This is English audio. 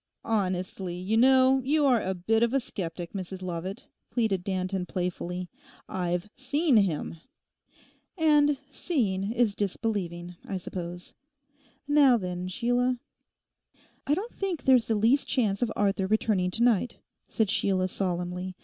'Honestly, you know, you are a bit of a sceptic, Mrs Lovat,' pleaded Danton playfully. 'I've seen him.' 'And seeing is disbelieving, I suppose. Now then, Sheila.' 'I don't think there's the least chance of Arthur returning to night,' said Sheila solemnly.